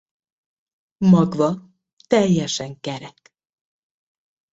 Magva teljesen kerek.